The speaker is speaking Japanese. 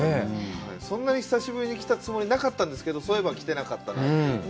そんなに久しぶりに来たつもりはなかったんですけど、そういえば、来てなかったなという。